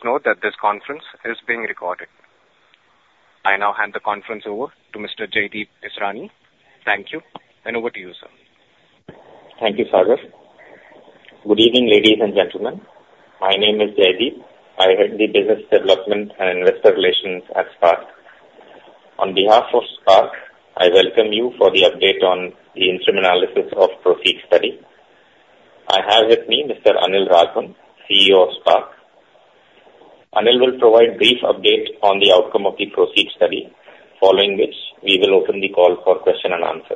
Please note that this conference is being recorded. I now hand the conference over to Mr. Jaydeep Issrani. Thank you, and over to you, sir. Thank you, Sagar. Good evening, ladies and gentlemen. My name is Jaydeep. I head the Business Development and Investor Relations at SPARC. On behalf of SPARC, I welcome you for the update on the Interim Analysis of PROSEEK study. I have with me Mr. Anil Raghavan, CEO of SPARC. Anil will provide brief update on the outcome of the PROSEEK study, following which we will open the call for question and answer.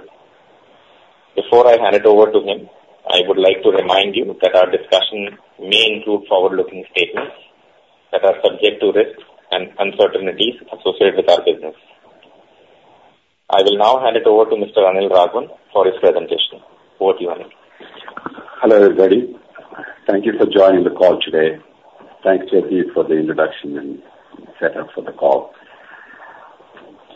Before I hand it over to him, I would like to remind you that our discussion may include forward-looking statements that are subject to risks and uncertainties associated with our business. I will now hand it over to Mr. Anil Raghavan for his presentation. Over to you, Anil. Hello, everybody. Thank you for joining the call today. Thanks, Jaydeep, for the introduction and setup for the call.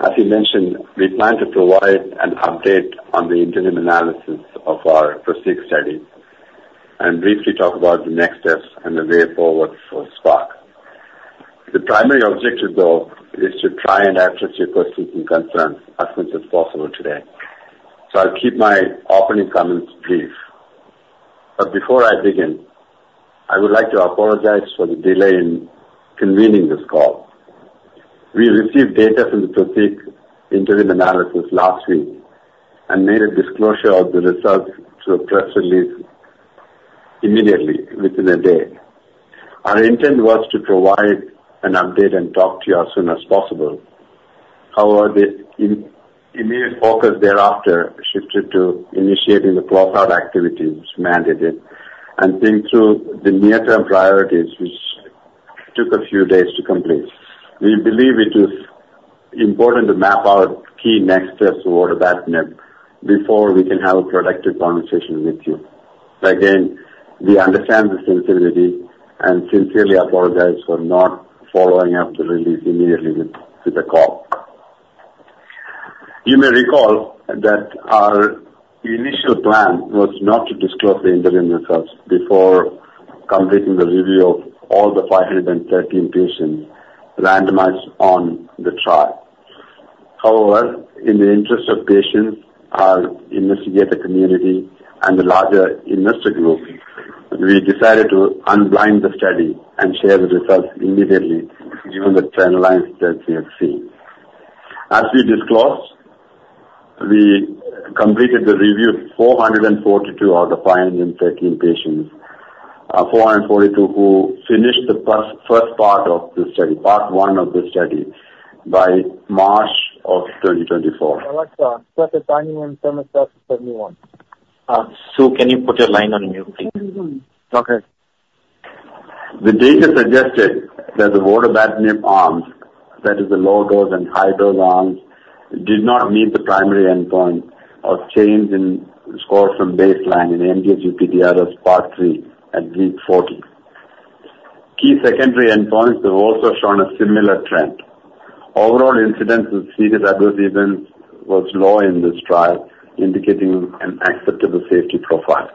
As he mentioned, we plan to provide an update on the Interim Analysis of our PROSEEK study and briefly talk about the next steps and the way forward for SPARC. The primary objective, though, is to try and address your questions and concerns as much as possible today. So I'll keep my opening comments brief. But before I begin, I would like to apologize for the delay in convening this call. We received data from the PROSEEK Interim Analysis last week and made a disclosure of the results through a press release immediately, within a day. Our intent was to provide an update and talk to you as soon as possible. However, the immediate focus thereafter shifted to initiating the closeout activities which mandated and thinking through the near-term priorities, which took a few days to complete. We believe it is important to map out key next steps toward that before we can have a productive conversation with you. Again, we understand the sensibility and sincerely apologize for not following up the release immediately with the call. You may recall that our initial plan was not to disclose the interim results before completing the review of all the 513 patients randomized on the trial. However, in the interest of patients, our investigator community, and the larger investor group, we decided to unblind the study and share the results immediately, given the trendlines that we have seen. As we disclosed, we completed the review of 442 out of 513 patients, 442 who finished the first part of the study, Part 1 of the study, by March of 2024. Alexa, set the timer when timer starts at 71. Sir, can you put your line on mute, please? Okay. The data suggested that the Vodobatinib arms, that is, the low-dose and high-dose arms, did not meet the primary endpoint of change in score from baseline in MDS-UPDRS part III at week 40. Key secondary endpoints have also shown a similar trend. Overall incidence of serious adverse events was low in this trial, indicating an acceptable safety profile.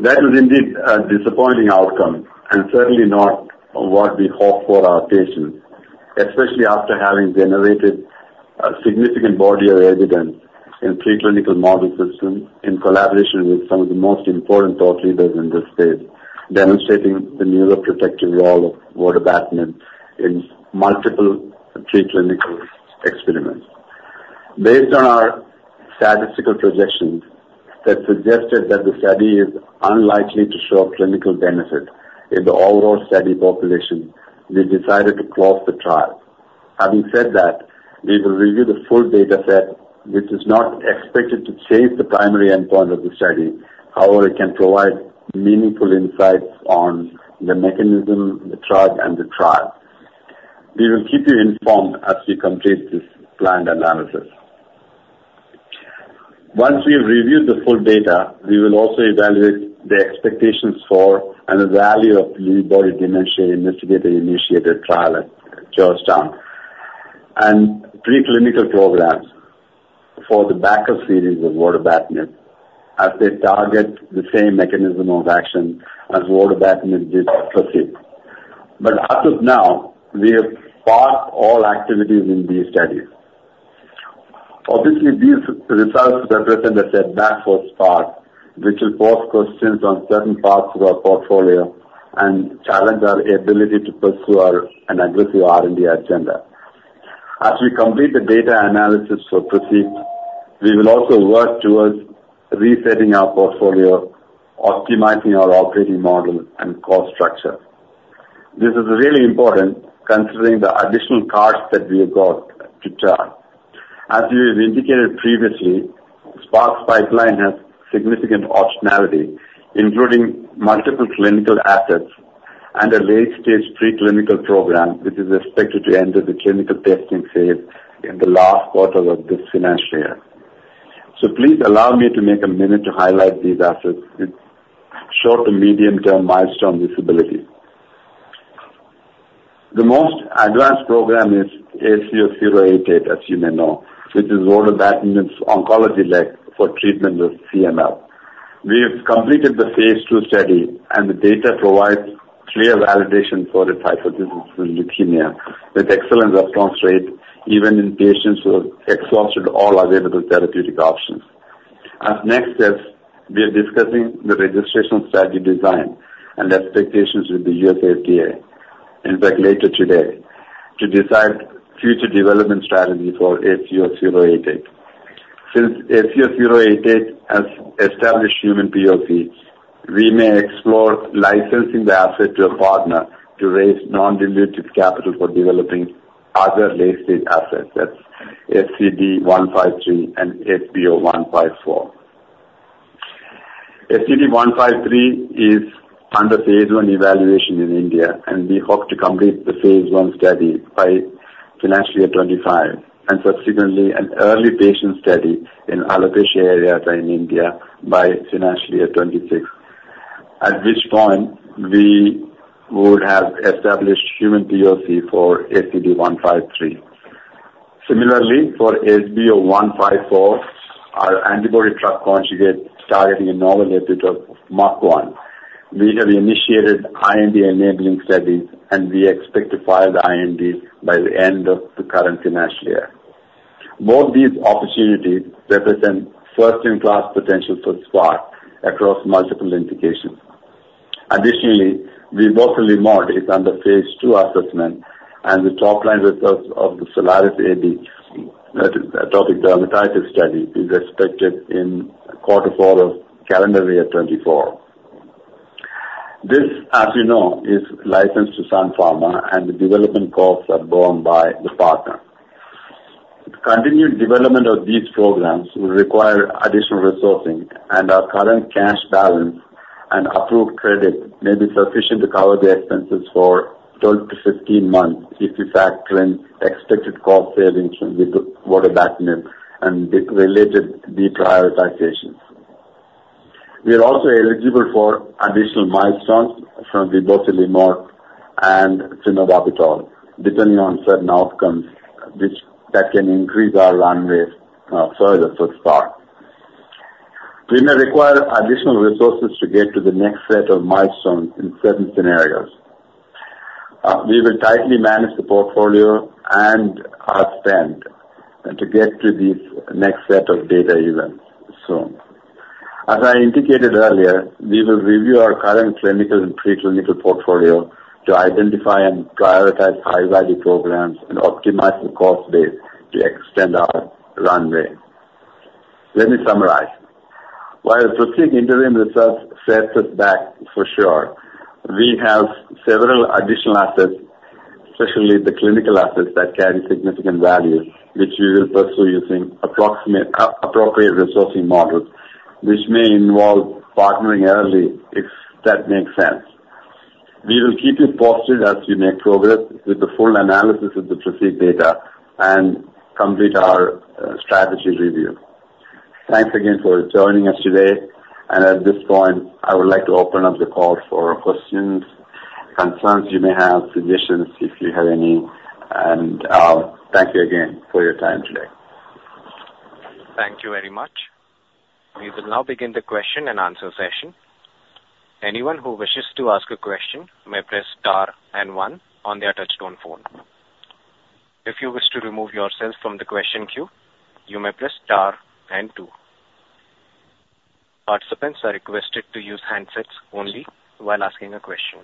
That was indeed a disappointing outcome and certainly not what we hoped for our patients, especially after having generated significant body of evidence in preclinical model systems in collaboration with some of the most important thought leaders in this space, demonstrating the neuroprotective role of Vodobatinib in multiple preclinical experiments. Based on our statistical projections that suggested that the study is unlikely to show clinical benefit in the overall study population, we decided to close the trial. Having said that, we will review the full dataset, which is not expected to change the primary endpoint of the study. However, it can provide meaningful insights on the mechanism, the drug, and the trial. We will keep you informed as we complete this planned analysis. Once we have reviewed the full data, we will also evaluate the expectations for and the value of Lewy Body Dementia investigator-initiated trial at Georgetown and preclinical programs for the backup series of Vodobatinib as they target the same mechanism of action as Vodobatinib did at PROSEEK. But as of now, we have parked all activities in these studies. Obviously, these results represent a setback for SPARC, which will pose questions on certain parts of our portfolio and challenge our ability to pursue an aggressive R&D agenda. As we complete the data analysis for PROSEEK, we will also work towards resetting our portfolio, optimizing our operating model, and cost structure. This is really important, considering the additional costs that we have got to charge. As we have indicated previously, SPARC's pipeline has significant optionality, including multiple clinical assets and a late-stage preclinical program, which is expected to enter the clinical testing phase in the last quarter of this financial year. So please allow me to take a minute to highlight these assets with short to medium-term milestone visibility. The most advanced program is K0706, as you may know, which is Vodobatinib oncology arm for treatment of CML. We have completed the phase 2 study, and the data provides clear validation for the third-line disease in leukemia with excellent response rate, even in patients who have exhausted all available therapeutic options. As next steps, we are discussing the registration strategy design and expectations with the USFDA, in fact, later today, to decide future development strategy for K0706. Since K0706 has established human POCs, we may explore licensing the asset to a partner to raise non-dilutive capital for developing other late-stage assets. That's SCD-153 and SBO-154. SCD-153 is under Phase 1 evaluation in India, and we hope to complete the Phase 1 study by financial year 2025 and subsequently an early patient study in Alopecia Areata in India by financial year 2026, at which point we would have established human POC for SCD-153. Similarly, for SBO-154, our antibody-drug conjugate targeting a novel epitope of MUC1, we have initiated IND-enabling studies, and we expect to file the IND by the end of the current financial year. Both these opportunities represent first-in-class potential for SPARC across multiple indications. Additionally, SCD-044 is under Phase 2 assessment, and the top-line results of the Atopic Dermatitis, that is, atopic dermatitis study, is expected in quarter four of calendar year 2024. This, as you know, is licensed to Sun Pharma, and the development costs are borne by the partner. Continued development of these programs will require additional resourcing, and our current cash balance and approved credit may be sufficient to cover the expenses for 12-15 months if, in fact, we're in expected cost savings from the Vodobatinib and related deprioritizations. We are also eligible for additional milestones from SCD-044 and SEZABY, depending on certain outcomes that can increase our runway further for SPARC. We may require additional resources to get to the next set of milestones in certain scenarios. We will tightly manage the portfolio and our spend to get to this next set of data events soon. As I indicated earlier, we will review our current clinical and preclinical portfolio to identify and prioritize high-value programs and optimize the cost base to extend our runway. Let me summarize. While PROSEEK interim results set us back, for sure, we have several additional assets, especially the clinical assets that carry significant value, which we will pursue using appropriate resourcing models, which may involve partnering early, if that makes sense. We will keep you posted as we make progress with the full analysis of the PROSEEK data and complete our strategy review. Thanks again for joining us today. And at this point, I would like to open up the call for questions, concerns you may have, suggestions, if you have any. And thank you again for your time today. Thank you very much. We will now begin the question and answer session. Anyone who wishes to ask a question may press star and one on their touch-tone phone. If you wish to remove yourself from the question queue, you may press star and two. Participants are requested to use handset only while asking a question.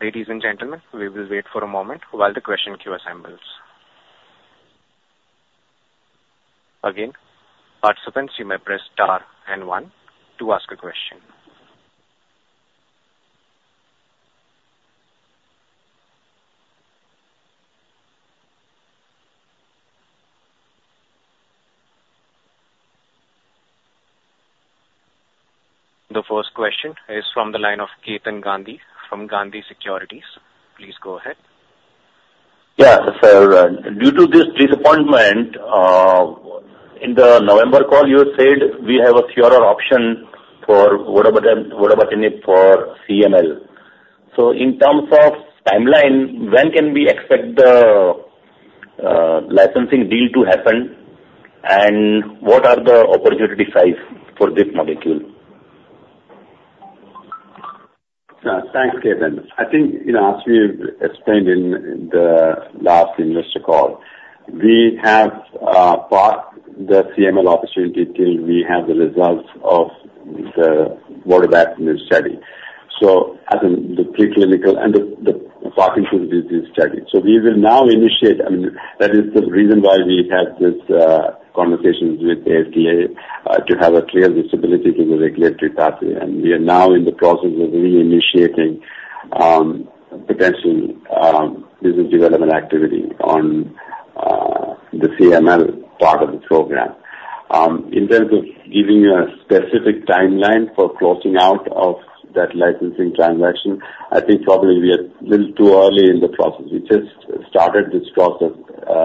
Ladies and gentlemen, we will wait for a moment while the question queue assembles. Again, participants, you may press star and one to ask a question. The first question is from the line of Ketan Gandhi from Gandhi Securities. Please go ahead. Yeah. So due to this disappointment, in the November call, you said we have a few options for Vodobatinib for CML. So in terms of timeline, when can we expect the licensing deal to happen, and what are the opportunity size for this molecule? Thanks, Ketan. I think, as we have explained in the last investor call, we have parked the CML opportunity till we have the results of the Vodobatinib study, so as in the preclinical and the Parkinson's disease study. So we will now initiate I mean, that is the reason why we have these conversations with the FDA, to have a clear visibility to the regulatory pathway. And we are now in the process of reinitiating potentially this development activity on the CML part of the program. In terms of giving you a specific timeline for closing out of that licensing transaction, I think probably we are a little too early in the process. We just started this process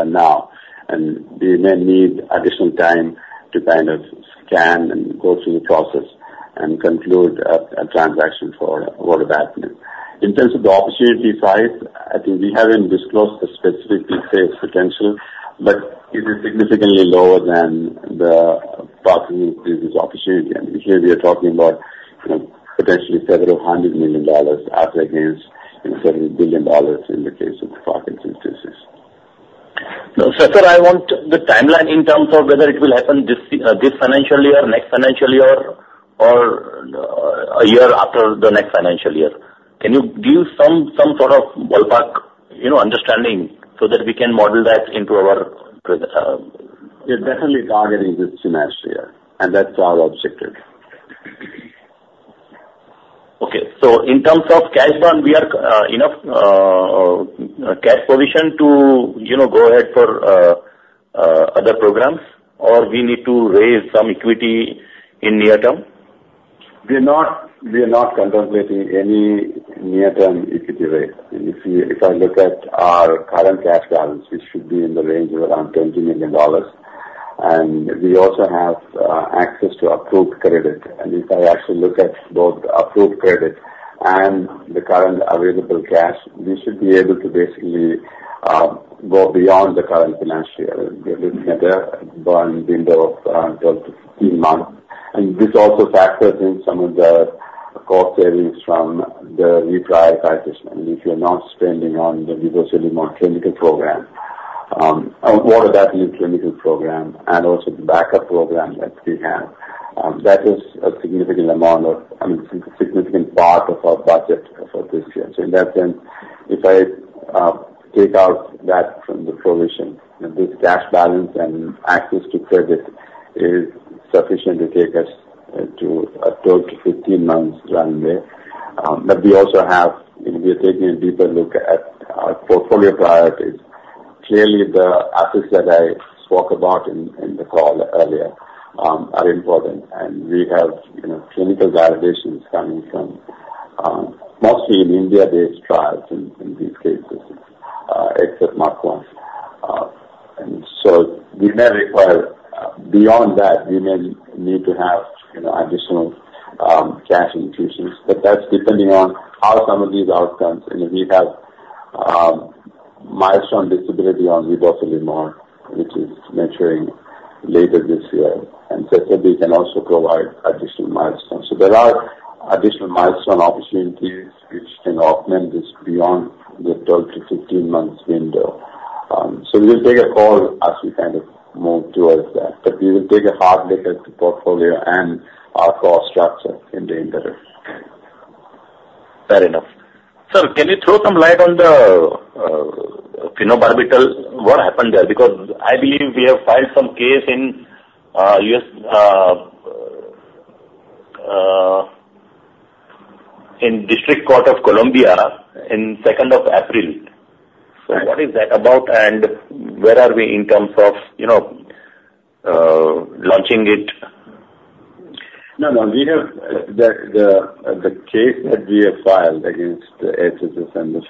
now, and we may need additional time to kind of scan and go through the process and conclude a transaction for Vodobatinib. In terms of the opportunity size, I think we haven't disclosed the specific sales potential, but it is significantly lower than the Parkinson's disease opportunity. I mean, here we are talking about potentially $several hundred million up against $several billion in the case of the Parkinson's disease. Sir, I want the timeline in terms of whether it will happen this financial year or next financial year or a year after the next financial year. Can you give some sort of ballpark understanding so that we can model that into our? We are definitely targeting this financial year, and that's our objective. Okay. So in terms of cash burn, we are enough cash position to go ahead for other programs, or we need to raise some equity in near term? We are not contemplating any near-term equity raise. I mean, if I look at our current cash balance, it should be in the range of around $20 million. We also have access to approved credit. If I actually look at both approved credit and the current available cash, we should be able to basically go beyond the current financial year. We are looking at a burn window of around 12-15 months. This also factors in some of the cost savings from the reprioritization. I mean, if you're not spending on the SCD-044 clinical program, Vodobatinib clinical program, and also the backup program that we have, that is a significant amount of I mean, it's a significant part of our budget for this year. So in that sense, if I take out that from the provision, this cash balance and access to credit is sufficient to take us to a 12-15 months runway. But we are taking a deeper look at our portfolio priorities. Clearly, the assets that I spoke about in the call earlier are important, and we have clinical validations coming from mostly in India-based trials in these cases, except MUC1. And so we may require, beyond that, we may need to have additional cash infusions. But that's depending on how some of these outcomes I mean, we have milestone visibility on SCD-044, which is maturing later this year. And SEZABY, we can also provide additional milestones. So there are additional milestone opportunities which can augment this beyond the 12-15 months window. We will take a call as we kind of move towards that. We will take a hard look at the portfolio and our cost structure in the interim. Fair enough. Sir, can you throw some light on the SEZABY? What happened there? Because I believe we have filed some case in District of Columbia on the 2nd of April. So what is that about, and where are we in terms of launching it? No, no. The case that we have filed against the HHS and the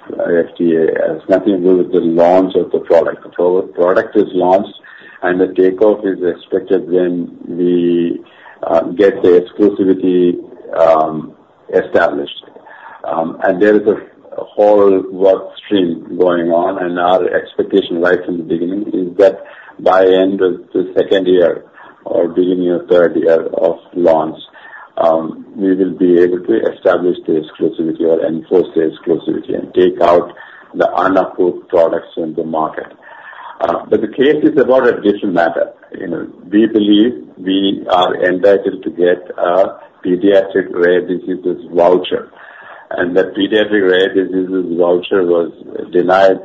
FDA has nothing to do with the launch of the product. The product is launched, and the takeoff is expected when we get the exclusivity established. There is a whole workstream going on. Our expectation right from the beginning is that by the end of the second year or beginning of third year of launch, we will be able to establish the exclusivity or enforce the exclusivity and take out the unapproved products from the market. But the case is about a different matter. We believe we are entitled to get a Pediatric Rare Disease Voucher. That Pediatric Rare Disease Voucher was denied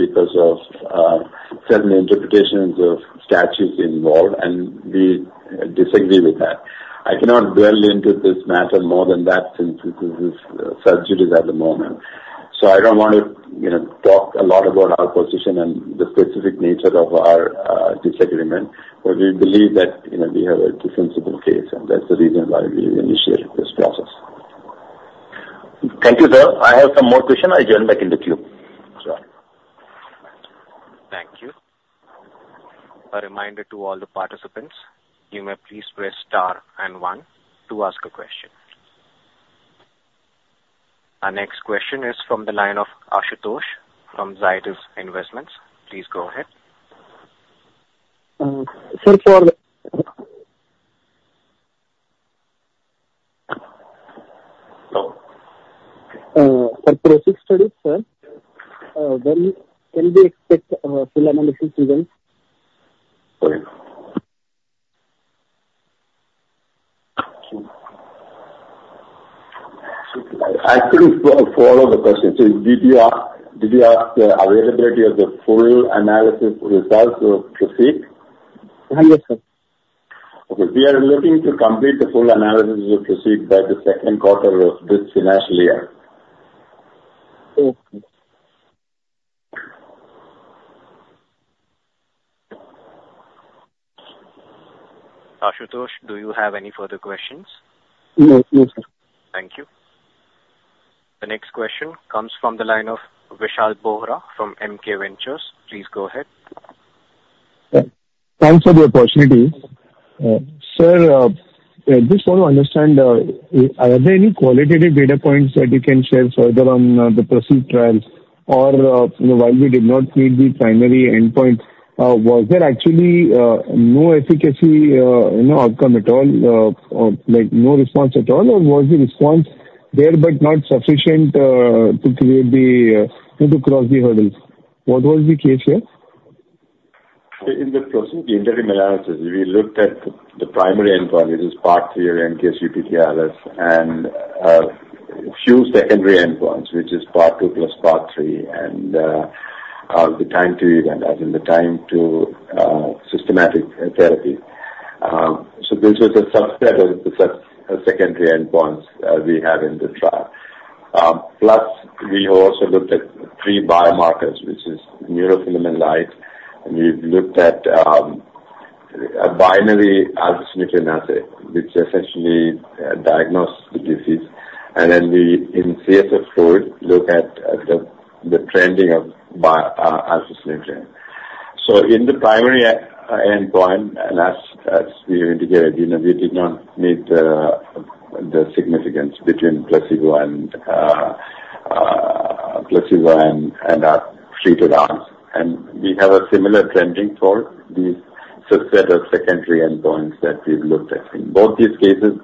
because of certain interpretations of statutes involved, and we disagree with that. I cannot dwell into this matter more than that since this is sub judice at the moment. I don't want to talk a lot about our position and the specific nature of our disagreement, but we believe that we have a defensible case, and that's the reason why we initiated this process. Thank you, sir. I have some more questions. I'll join back in the queue. Sure. Thank you. A reminder to all the participants, you may please press star and one to ask a question. Our next question is from the line of Ashutosh from Zydus Investments. Please go ahead. Sir, for the. Hello? For PROSEEK Studies, sir, when can we expect full analysis results? Sorry. I couldn't follow the question. So did you ask the availability of the full analysis results of PROSEEK? Yes, sir. Okay. We are looking to complete the full analysis of PROSEEK by the second quarter of this financial year. Okay. Ashutosh, do you have any further questions? No, no, sir. Thank you. The next question comes from the line of Tushar Bohra from MK Ventures. Please go ahead. Thanks for the opportunity. Sir, I just want to understand, are there any qualitative data points that you can share further on the PROSEEK trials? Or while we did not meet the primary endpoint, was there actually no efficacy outcome at all, no response at all, or was the response there but not sufficient to cross the hurdles? What was the case here? In the PROSEEK Interim Analysis, we looked at the primary endpoint, which is part three of the MDS-UPDRS, and a few secondary endpoints, which is part two plus part three and the time to event, as in the time to systematic therapy. So this was a subset of the secondary endpoints we had in the trial. Plus, we also looked at three biomarkers, which is neurofilament light. And we've looked at a binary alpha-synuclein assay, which essentially diagnoses the disease. And then we, in CSF fluid, look at the trending of alpha-synuclein. So in the primary endpoint, and as you indicated, we did not meet the significance between placebo and our treated arms. And we have a similar trending for these subset of secondary endpoints that we've looked at. In both these cases,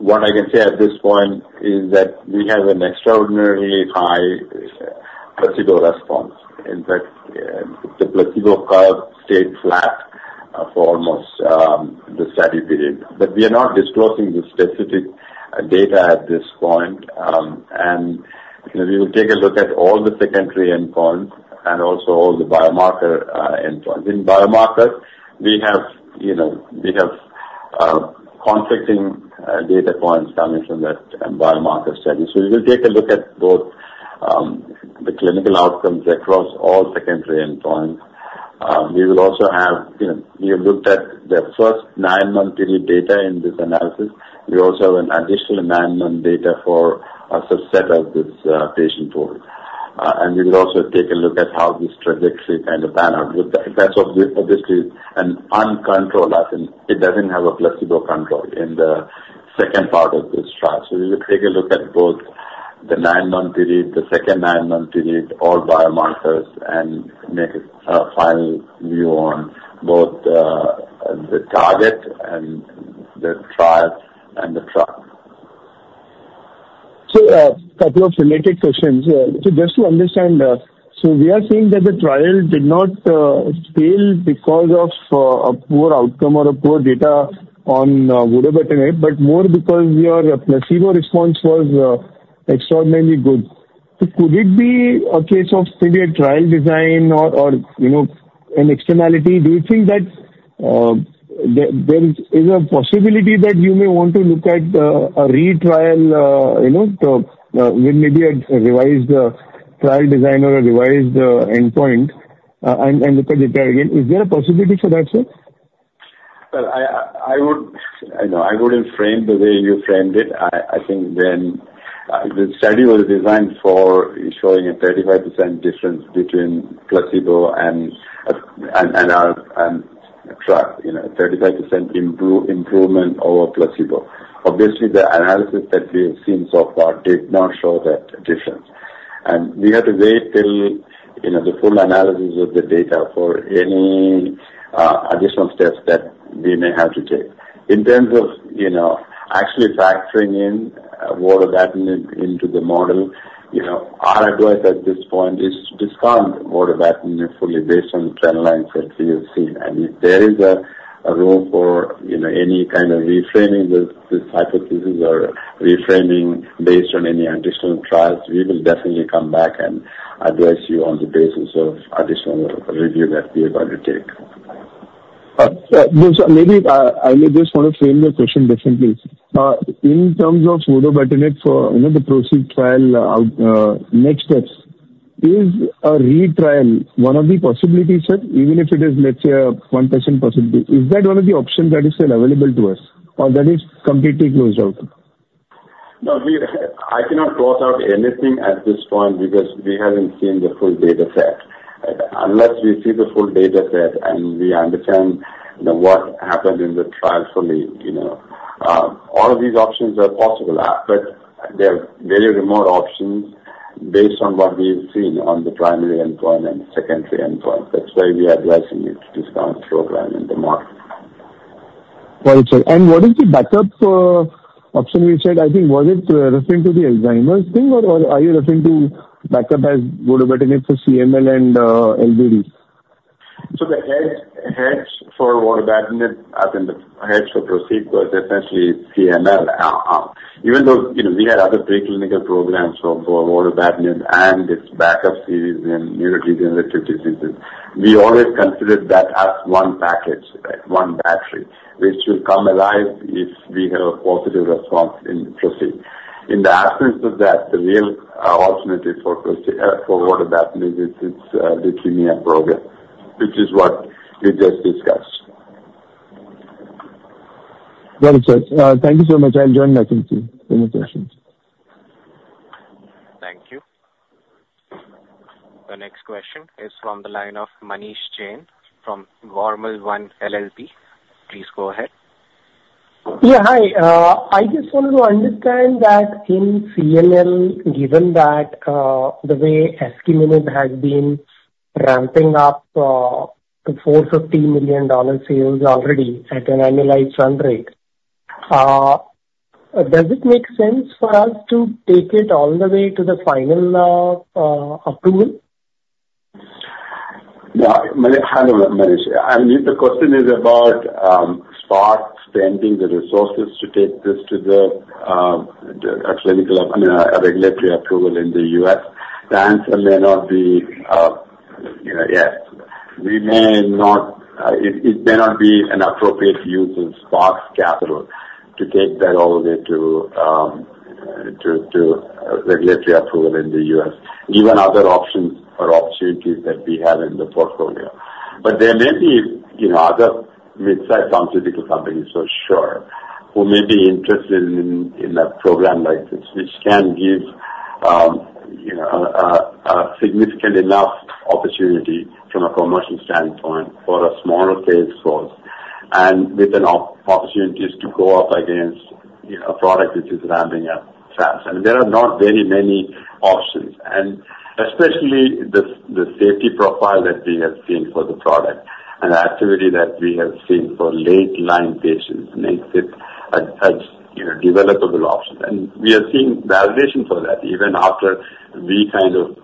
what I can say at this point is that we have an extraordinarily high placebo response. In fact, the placebo curve stayed flat for almost the study period. But we are not disclosing the specific data at this point. And we will take a look at all the secondary endpoints and also all the biomarker endpoints. In biomarkers, we have conflicting data points coming from that biomarker study. So we will take a look at both the clinical outcomes across all secondary endpoints. We have looked at the first nine-month period data in this analysis. We also have an additional nine-month data for a subset of this patient pool. And we will also take a look at how this trajectory kind of pan out. That's obviously an uncontrolled; it doesn't have a placebo control in the second part of this trial. We will take a look at both the 9-month period, the second 9-month period, all biomarkers, and make a final view on both the target and the trial and the trial. Sir, a couple of related questions. So just to understand, so we are seeing that the trial did not fail because of a poor outcome or a poor data on Vodobatinib, but more because your placebo response was extraordinarily good. So could it be a case of maybe a trial design or an externality? Do you think that there is a possibility that you may want to look at a retrial with maybe a revised trial design or a revised endpoint and look at the trial again? Is there a possibility for that, sir? Well, I wouldn't frame the way you framed it. I think then the study was designed for showing a 35% difference between placebo and our trial, a 35% improvement over placebo. Obviously, the analysis that we have seen so far did not show that difference. And we had to wait till the full analysis of the data for any additional steps that we may have to take. In terms of actually factoring in Vodobatinib into the model, our advice at this point is to discount Vodobatinib fully based on the trend lines that we have seen. And if there is a room for any kind of reframing this hypothesis or reframing based on any additional trials, we will definitely come back and advise you on the basis of additional review that we are going to take. Maybe I just want to frame the question differently. In terms of Vodobatinib for the PROSEEK trial next steps, is a retrial one of the possibilities, sir? Even if it is, let's say, a 1% possibility, is that one of the options that is still available to us, or that is completely closed out? No, I cannot close out anything at this point because we haven't seen the full data set. Unless we see the full data set and we understand what happened in the trial fully, all of these options are possible. But there are very remote options based on what we've seen on the primary endpoint and secondary endpoint. That's why we are advising you to discount the program in the market. Got it, sir. And what is the backup option you said? I think was it referring to the Alzheimer's thing, or are you referring to backup as Vodobatinib for CML and LBD? So the hedge for Vodobatinib, as in the hedge for PROSEEK, was essentially CML. Even though we had other preclinical programs for Vodobatinib and its backup series in neurodegenerative diseases, we always considered that as one package, one battery, which will come alive if we have a positive response in PROSEEK. In the absence of that, the real alternative for Vodobatinib is its leukemia program, which is what we just discussed. Got it, sir. Thank you so much. I'll join back in the queue. Thanks for your questions. Thank you. The next question is from the line of Manish Jain from GormalOne LLP. Please go ahead. Yeah, hi. I just wanted to understand that in CML, given that the way Asciminib has been ramping up to $450 million sales already at an annualized run rate, does it make sense for us to take it all the way to the final approval? Yeah. Hello, Manish. I mean, the question is about SPARC spending the resources to take this to the clinical—I mean, regulatory—approval in the US. The answer may not be yes. We may not—it may not be an appropriate use of SPARC's capital to take that all the way to regulatory approval in the US, given other options or opportunities that we have in the portfolio. But there may be other mid-sized pharmaceutical companies, for sure, who may be interested in a program like this, which can give a significant enough opportunity from a commercial standpoint for a smaller sales force and with opportunities to go up against a product which is ramping up fast. I mean, there are not very many options, especially the safety profile that we have seen for the product and the activity that we have seen for late-line patients makes it a developable option. We are seeing validation for that. Even after we kind of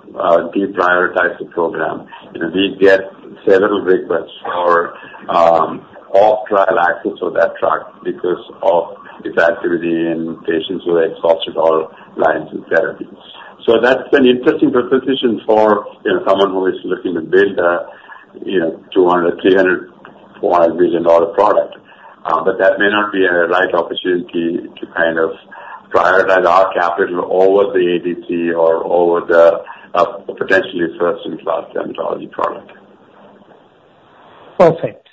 deprioritize the program, we get several requests for off-trial access for that drug because of its activity in patients who are exhausted or lines of therapy. So that's an interesting proposition for someone who is looking to build a $200-$300 million product. That may not be a right opportunity to kind of prioritize our capital over the ADC or over the potentially first-in-class dermatology product. Perfect.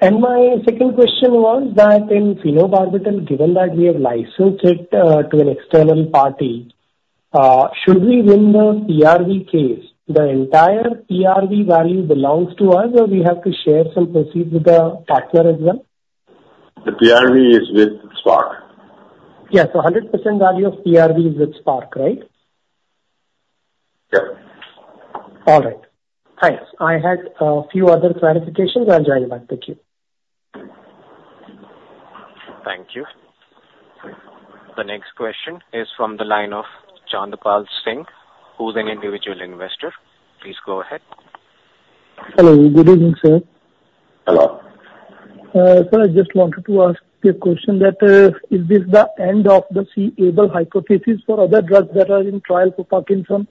And my second question was that in phenobarbital, given that we have licensed it to an external party, should we win the PRV case? The entire PRV value belongs to us, or we have to share some proceeds with a partner as well? The PRV is with SPARC. Yes. So 100% value of PRV is with SPARC, right? Yep. All right. Thanks. I had a few other clarifications. I'll join back the queue. Thank you. The next question is from the line of Chandpal Singh, who's an individual investor. Please go ahead. Hello. Good evening, sir. Hello. Sir, I just wanted to ask you a question that is this the end of the c-Abl hypothesis for other drugs that are in trial for Parkinson's?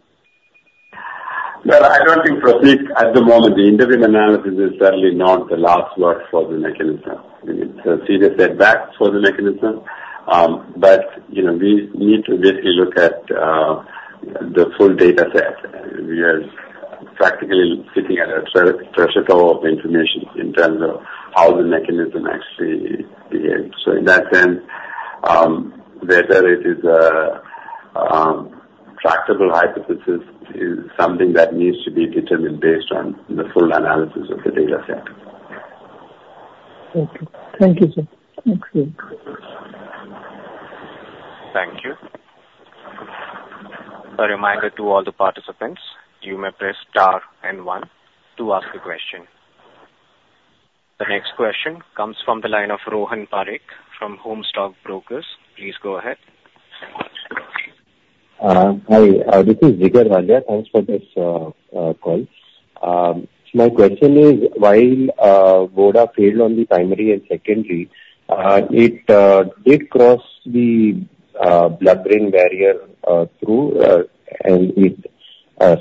Well, I don't think PROSEEK at the moment the interim analysis is certainly not the last word for the mechanism. It's a serious setback for the mechanism. But we need to basically look at the full data set. We are practically sitting at a threshold of information in terms of how the mechanism actually behaves. So in that sense, whether it is a tractable hypothesis is something that needs to be determined based on the full analysis of the data set. Okay. Thank you, sir. Thanks for your time. Thank you. A reminder to all the participants, you may press star and one to ask a question. The next question comes from the line of Rohan Parekh from OHM Stock Brokers. Please go ahead. Hi. This is Jigar Valia. Thanks for this call. My question is, while Voda failed on the primary and secondary, did it cross the blood-brain barrier through? And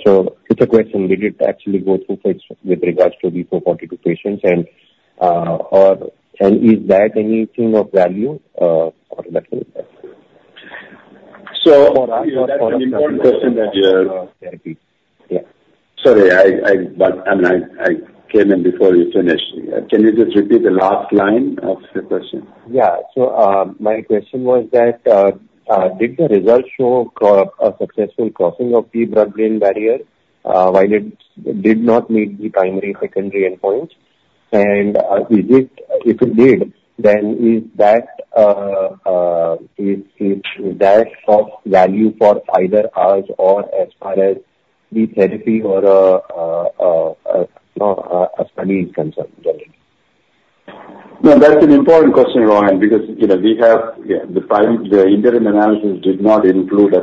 so it's a question. Did it actually go through with regards to the 442 patients, or is that anything of value for the clinic? So that's an important question that you're. Therapy. Yeah. Sorry. I mean, I came in before you finished. Can you just repeat the last line of the question? Yeah. So my question was that did the results show a successful crossing of the blood-brain barrier while it did not meet the primary, secondary endpoints? And if it did, then is that of value for either us or as far as the therapy or a study is concerned, generally? No, that's an important question, Rohan, because the interim analysis did not include a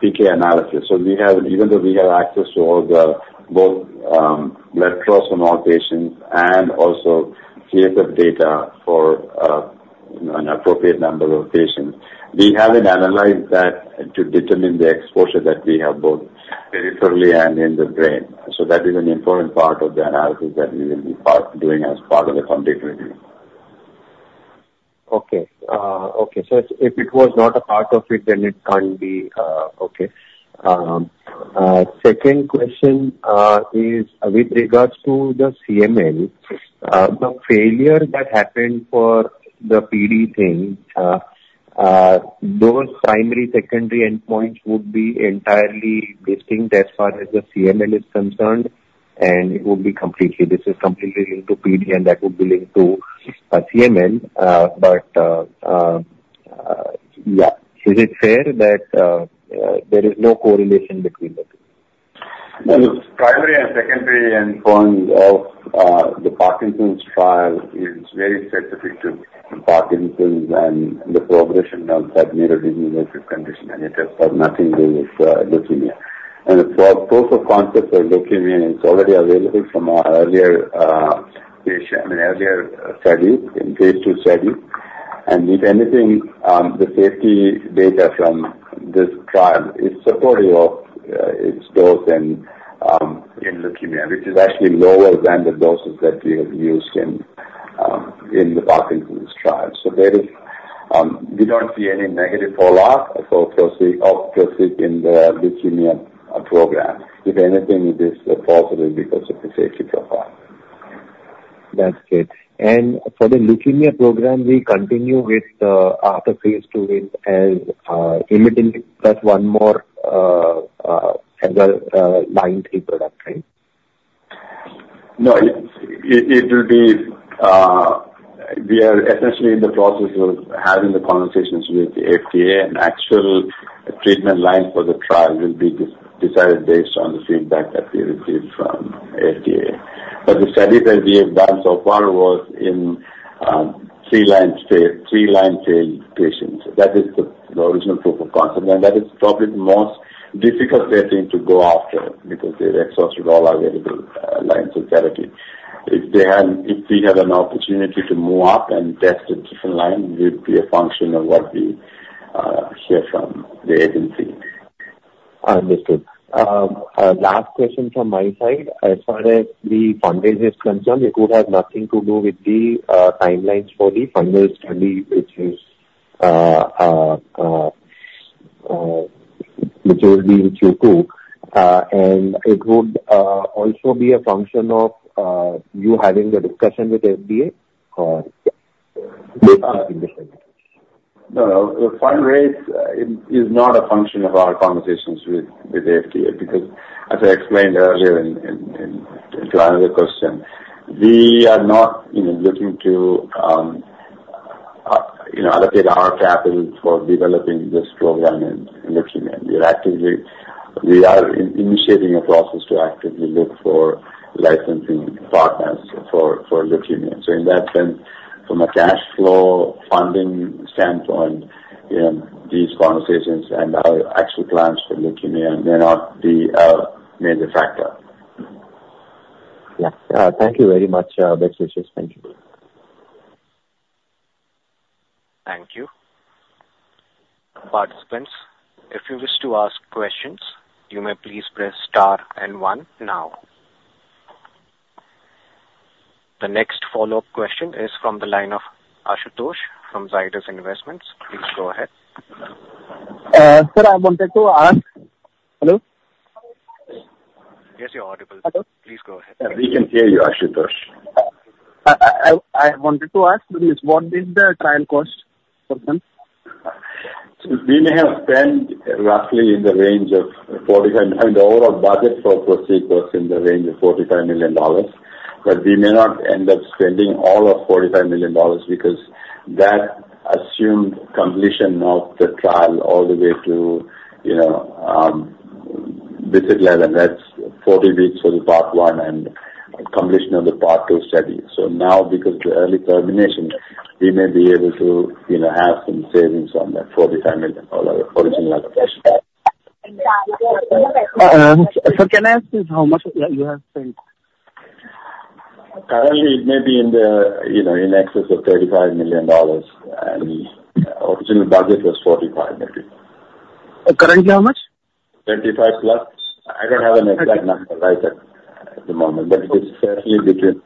PK analysis. So even though we have access to both blood draws from all patients and also CSF data for an appropriate number of patients, we haven't analyzed that to determine the exposure that we have both peripherally and in the brain. So that is an important part of the analysis that we will be doing as part of the final review. Okay. Okay. So if it was not a part of it, then it can't be okay. Second question is, with regards to the CML, the failure that happened for the PD thing, those primary, secondary endpoints would be entirely distinct as far as the CML is concerned, and it would be completely—this is completely linked to PD, and that would be linked to CML. But yeah, is it fair that there is no correlation between the two? Primary and secondary endpoints of the Parkinson's trial is very specific to Parkinson's and the progression of that neurodegenerative condition. And it has nothing to do with leukemia. And the proof of concept for leukemia, it's already available from our earlier patient I mean, earlier study, phase II study. And if anything, the safety data from this trial is supportive of its dose in leukemia, which is actually lower than the doses that we have used in the Parkinson's trial. So we don't see any negative fallout of PROSEEK in the leukemia program. If anything, it is possible because of the safety profile. That's good. For the leukemia program, we continue with the phase II asciminib plus one more as a third-line product, right? No, it will be. We are essentially in the process of having the conversations with the FDA. An actual treatment line for the trial will be decided based on the feedback that we receive from FDA. But the study that we have done so far was in three-line failed patients. That is the original proof of concept. And that is probably the most difficult setting to go after because they've exhausted all available lines of therapy. If we have an opportunity to move up and test a different line, it would be a function of what we hear from the agency. Understood. Last question from my side. As far as the fundraisers concerned, it would have nothing to do with the timelines for the final study, which will be with you two. And it would also be a function of you having the discussion with FDA or basically condition? No, no. Fundraise is not a function of our conversations with FDA because, as I explained earlier to another question, we are not looking to allocate our capital for developing this program in leukemia. We are initiating a process to actively look for licensing partners for leukemia. So in that sense, from a cash flow funding standpoint, these conversations and our actual plans for leukemia, they're not the major factor. Yeah. Thank you very much, best wishes. Thank you. Thank you. Participants, if you wish to ask questions, you may please press star and one now. The next follow-up question is from the line of Ashutosh from Zydus Investments. Please go ahead. Sir, I wanted to ask hello? Yes, you're audible. Hello? Please go ahead. Yeah, we can hear you, Ashutosh. I wanted to ask, please, what did the trial cost for them? We may have spent roughly in the range of 45 and the overall budget for PROSEEK was in the range of $45 million. But we may not end up spending all of $45 million because that assumed completion of the trial all the way to visit level. That's 40 weeks for the part one and completion of the part two study. So now, because of the early termination, we may be able to have some savings on that $45 million original allocation. Sir, can I ask you how much you have spent? Currently, it may be in excess of $35 million. The original budget was $45 million, maybe. Currently, how much? 35+. I don't have an exact number right at the moment, but it is certainly between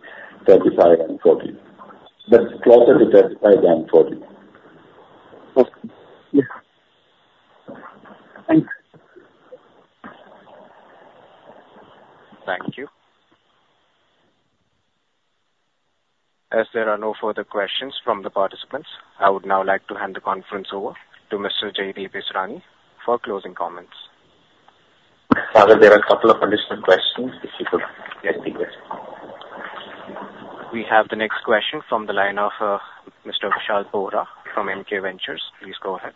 35 and 40. But closer to 35 than 40. Okay. Yeah. Thanks. Thank you. As there are no further questions from the participants, I would now like to hand the conference over to Mr. Jaydeep Issrani for closing comments. Sagar, there are a couple of additional questions. If you could, yes, please. We have the next question from the line of Mr. Tushar Bohra from MK Ventures. Please go ahead.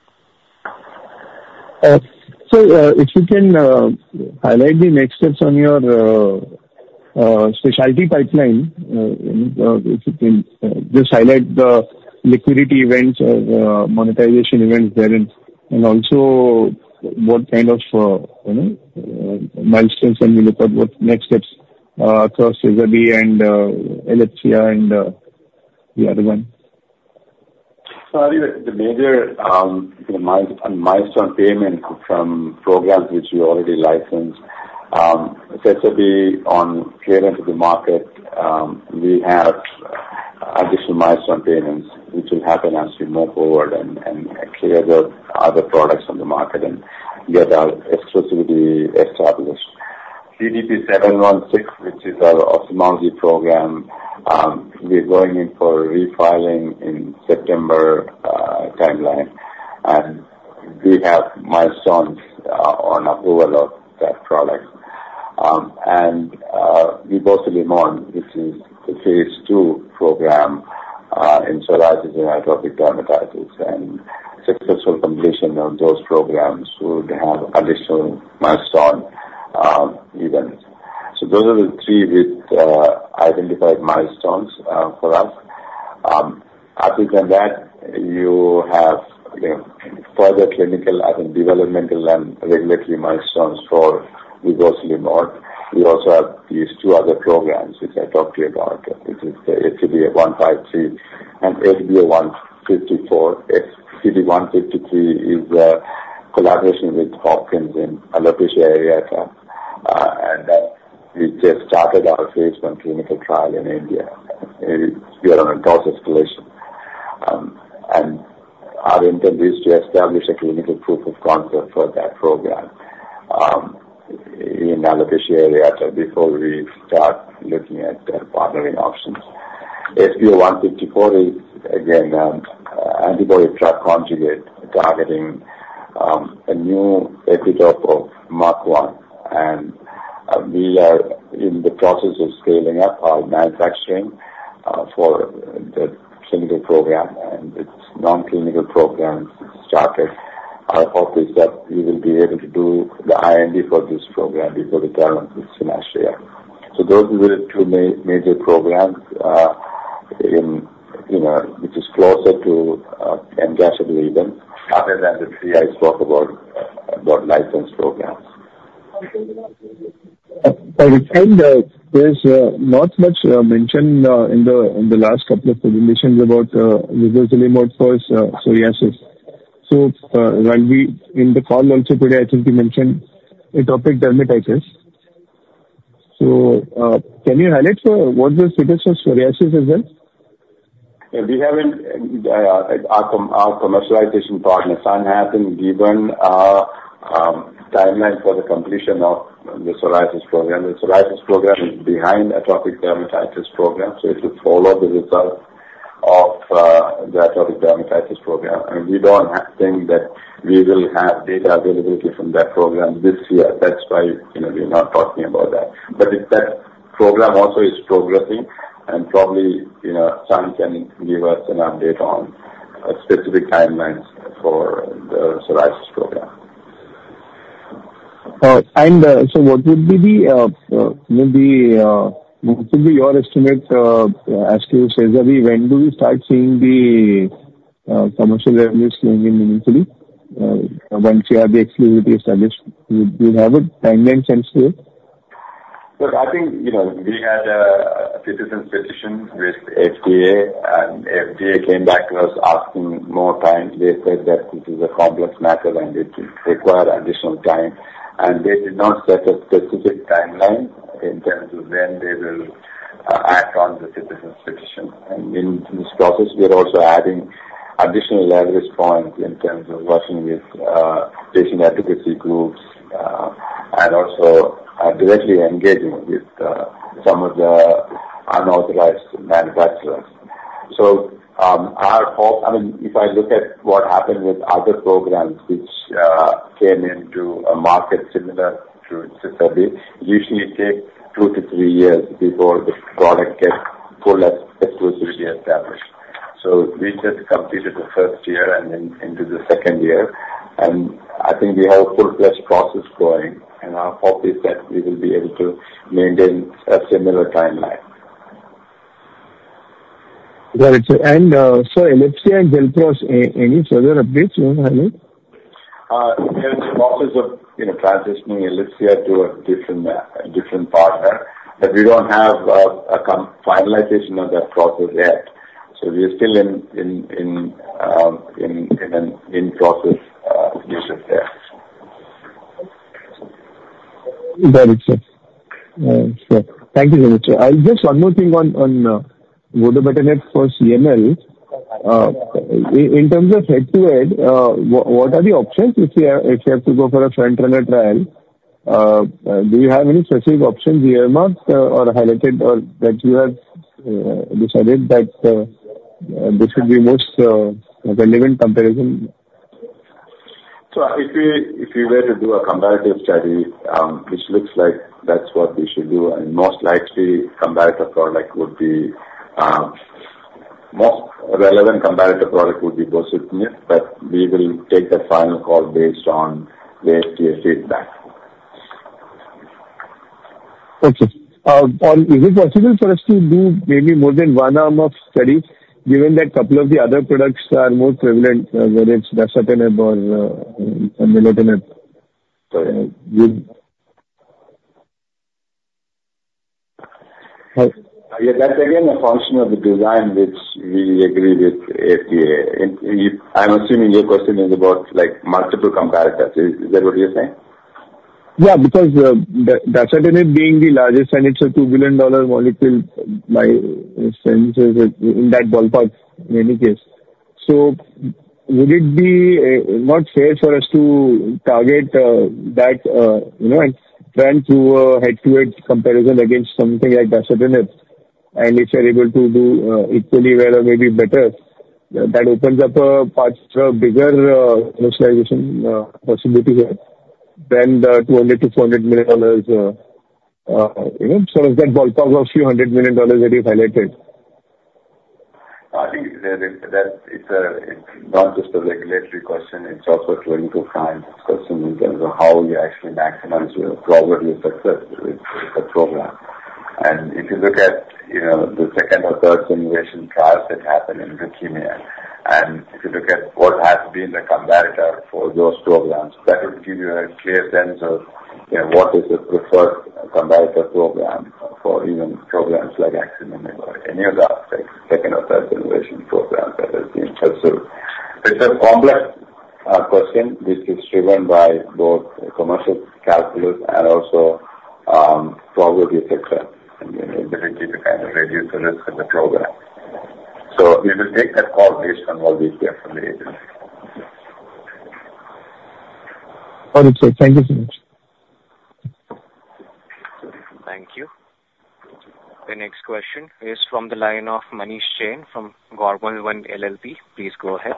Sir, if you can highlight the next steps on your specialty pipeline, if you can, just highlight the liquidity events or monetization events there and also what kind of milestones when we look at what next steps across SEZABY and Elepsia and the other one. Further, the major milestone payment from programs which we already licensed, SEZABY, on clearance of the market, we have additional milestone payments which will happen as we move forward and clear the other products on the market and get our exclusivity established. PDP-716, which is our ophthalmology program, we're going in for refiling in September timeline. We have milestones on approval of that product. SCD-044, which is the phase II program in psoriasis and atopic dermatitis. Successful completion of those programs would have additional milestone events. So those are the three identified milestones for us. Other than that, you have further clinical and developmental and regulatory milestones for SCD-044. We also have these two other programs which I talked to you about, which is the SCD-153 and SBO-154. SCD-153 is a collaboration with Hopkins in Alopecia Areata. We just started our phase 1 clinical trial in India. We are on a course of escalation. Our intent is to establish a clinical proof of concept for that program in Alopecia Areata before we start looking at partnering options. SBO-154 is, again, an antibody-drug conjugate targeting a new epitope of MUC1. We are in the process of scaling up our manufacturing for the clinical program. And its non-clinical program started. Our hope is that we will be able to do the IND for this program before the term is finished here. So those are the two major programs which is closer to engagement even other than the three I spoke about licensed programs. But there is not much mentioned in the last couple of presentations about our SCD-044. So yes, yes. So in the call also today, I think you mentioned atopic dermatitis. So can you highlight what the status of psoriasis is then? Yeah, we haven't been given a timeline by our commercialization partner, Sun Pharma, for the completion of the psoriasis program. The psoriasis program is behind the atopic dermatitis program. So it will follow the result of the atopic dermatitis program. And we don't think that we will have data availability from that program this year. That's why we're not talking about that. But that program also is progressing. And probably, Sun can give us an update on specific timelines for the psoriasis program. What would be your estimate as to SEZABY? When do we start seeing the commercial revenues coming in initially once we have the exclusivity established? Do you have a timeline sense to it? Sir, I think we had a Citizen Petition with FDA. FDA came back to us asking more time. They said that this is a complex matter, and it requires additional time. They did not set a specific timeline in terms of when they will act on the Citizen Petition. In this process, we are also adding additional leverage points in terms of working with patient advocacy groups and also directly engaging with some of the unauthorized manufacturers. Our hope I mean, if I look at what happened with other programs which came into a market similar to SEZABY, usually, it takes two to three years before the product gets fully exclusively established. We just completed the first year and then into the second year. I think we have a full-fledged process going. Our hope is that we will be able to maintain a similar timeline. Got it. And sir, Elepsia and Xelpros, any further updates you want to highlight? We are in the process of transitioning Elepsia to a different partner. But we don't have a finalization of that process yet. So we're still in an in-process business there. Got it, sir. Sure. Thank you very much, sir. Just one more thing on Vodobatinib for CML. In terms of head-to-head, what are the options if you have to go for a front-runner trial? Do you have any specific options earmarked or highlighted or that you have decided that this would be most relevant comparison? If we were to do a comparative study, which looks like that's what we should do, and most likely, comparative product would be most relevant comparative product would be Bosutinib. But we will take that final call based on the FDA feedback. Okay. Is it possible for us to do maybe more than one arm of study given that a couple of the other products are more prevalent, whether it's Bosutinib or Nilotinib? Sorry. Hello? Yeah, that's, again, a function of the design which we agree with FDA. I'm assuming your question is about multiple comparators. Is that what you're saying? Yeah, because Bosutinib being the largest, and it's a $2 billion molecule, my sense is in that ballpark in any case. So would it be not fair for us to target that and run through a head-to-head comparison against something like Bosutinib? And if you're able to do equally well or maybe better, that opens up a much bigger commercialization possibility here than the $200-$400 sort of that ballpark of few hundred million dollars that you've highlighted. I think that it's not just a regulatory question. It's also trying to find discussion in terms of how you actually maximize your probability of success with the program. And if you look at the second or third generation trials that happen in leukemia, and if you look at what has been the comparator for those programs, that would give you a clear sense of what is the preferred comparator program for even programs like Asciminib or any of the second or third generation programs that have been pursued. It's a complex question which is driven by both commercial calculus and also probability of success and ability to kind of reduce the risk of the program. So we will take that call based on what we hear from the agency. Got it, sir. Thank you so much. Thank you. The next question is from the line of Manish Jain from GormalOne LLP. Please go ahead.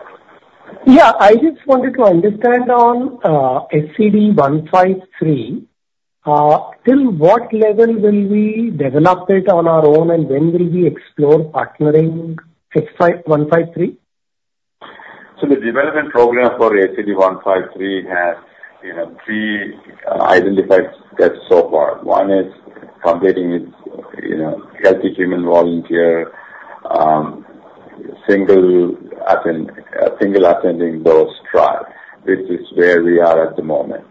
Yeah. I just wanted to understand on SCD-153, till what level will we develop it on our own, and when will we explore partnering SCD-153? So the development program for SCD-153 has three identified steps so far. One is completing its healthy human volunteer single ascending dose trial, which is where we are at the moment.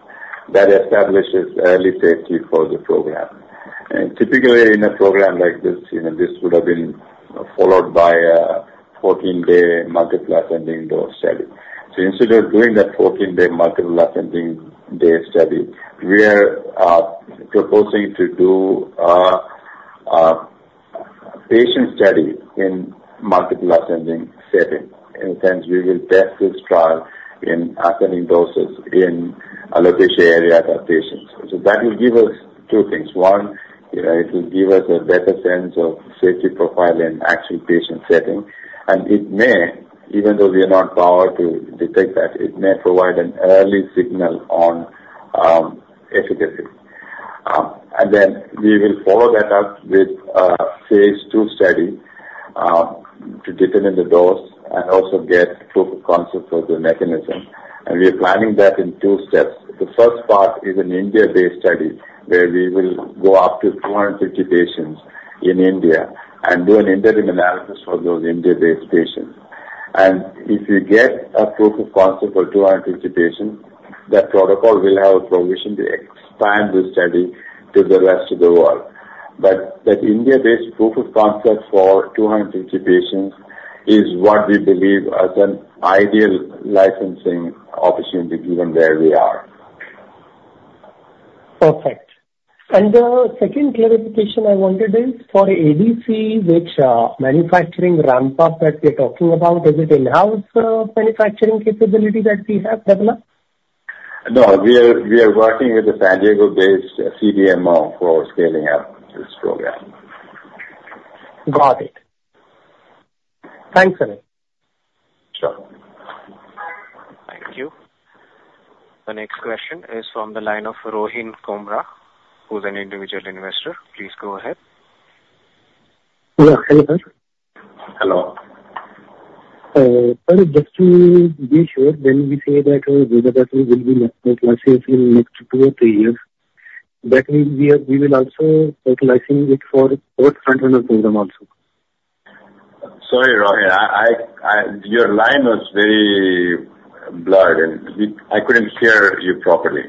That establishes early safety for the program. Typically, in a program like this, this would have been followed by a 14-day multiple ascending dose study. So instead of doing that 14-day multiple ascending dose study, we are proposing to do a patient study in multiple ascending setting. In a sense, we will test this trial in ascending doses in Alopecia Areata patients. So that will give us two things. One, it will give us a better sense of safety profile in actual patient setting. And even though we are not powered to detect that, it may provide an early signal on efficacy. Then we will follow that up with a phase II study to determine the dose and also get proof of concept for the mechanism. We are planning that in two steps. The first part is an India-based study where we will go up to 250 patients in India and do an interim analysis for those India-based patients. If we get a proof of concept for 250 patients, that protocol will have a provision to expand the study to the rest of the world. But that India-based proof of concept for 250 patients is what we believe as an ideal licensing opportunity given where we are. Perfect. And the second clarification I wanted is for ADC, which manufacturing ramp-up that we're talking about, is it in-house manufacturing capability that we have developed? No, we are working with a San Diego-based CDMO for scaling up this program. Got it. Thanks, Sagar. Sure. Thank you. The next question is from the line of Rohin Kumra, who's an individual investor. Please go ahead. Yeah, hello, sir. Hello. Rather, just to be sure, when we say that Vodobatinib will not be monetizing in the next two or three years, that means we will also monetizing it for both front-runner program also. Sorry, Rohin. Your line was very blurred, and I couldn't hear you properly.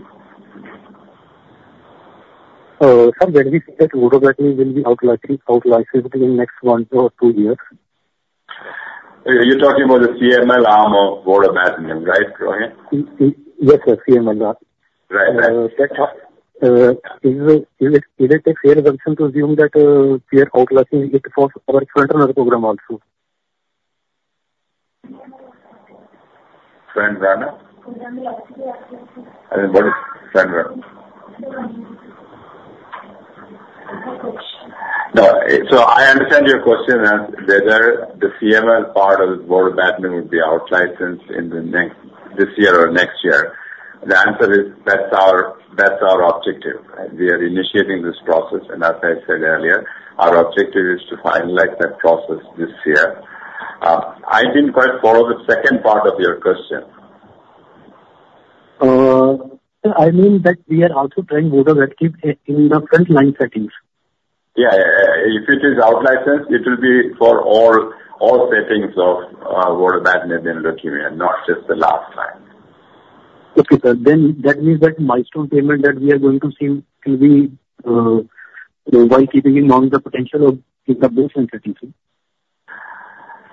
Sir, when we say that Vodobatinib will be outlicensing in the next 1 or 2 years? You're talking about the CML arm of Vodobatinib, right, Rohin? Yes, sir, CML arm. Right, right. Is it a fair assumption to assume that we are totalizing it for our front-runner program also? Front-runner? I mean, what is front-runner? No, so I understand your question as whether the CML part of Vodobatinib would be outlicensed this year or next year. The answer is that's our objective. We are initiating this process. And as I said earlier, our objective is to finalize that process this year. I didn't quite follow the second part of your question. I mean that we are also trying Vodobatinib in the front-line settings. Yeah, yeah, yeah. If it is outlicensed, it will be for all settings of Vodobatinib in leukemia, not just the last line. Okay, sir. Then that means that milestone payment that we are going to see will be while keeping in mind the potential of both sensitivity?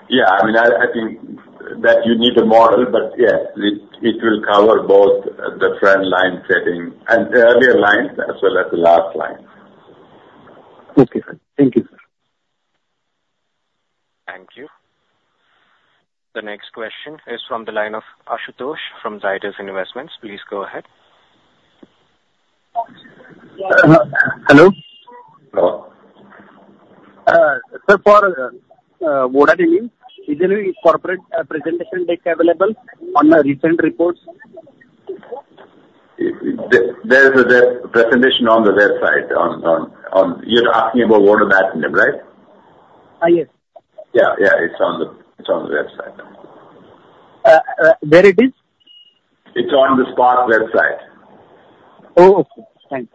Yeah, I mean, I think that you need a model. But yes, it will cover both the front-line setting and earlier lines as well as the last line. Okay, sir. Thank you, sir. Thank you. The next question is from the line of Ashutosh from Zydus Investments. Please go ahead. Hello? Hello. Sir, for Vodobatinib, is there any corporate presentation deck available on the recent reports? There's a presentation on the website. You're asking about Vodobatinib, right? Yes. Yeah, yeah. It's on the website. Where it is? It's on the SPARC website. Oh, okay. Thanks.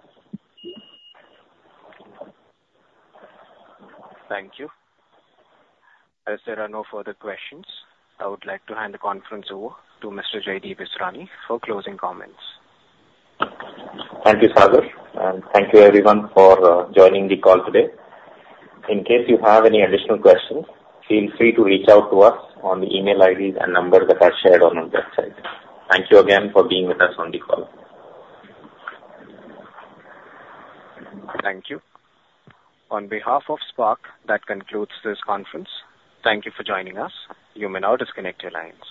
Thank you. As I said, I have no further questions. I would like to hand the conference over to Mr. Jaydeep Issrani for closing comments. Thank you, Sagar. Thank you, everyone, for joining the call today. In case you have any additional questions, feel free to reach out to us on the email IDs and numbers that are shared on our website. Thank you again for being with us on the call. Thank you. On behalf of SPARC, that concludes this conference. Thank you for joining us. You may now disconnect your lines.